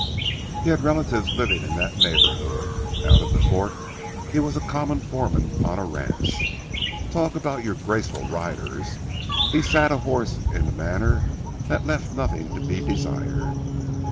He had relatives living in that neighborhood. Out at the fort he was a common foreman on a ranch. Talk about your graceful riders, he sat a horse in a manner that left nothing to be desired.